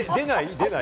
出ない？